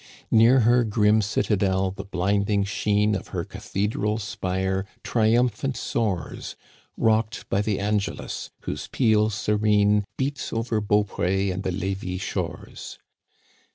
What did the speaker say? Near her grim citadel the blinding sheen Of her cathedral spire triumphant soars, Rocked by the Angelus, whose peal serene Beats over Beaupré and the Levis shores.